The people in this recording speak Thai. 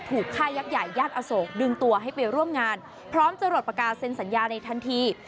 ถูกฆ่ายักษ์ใหญ่ญาติอโศกดึงตัวให้ไปร่วมงานพร้อมจะหลดประกาศเซ็นสัญญาในทันที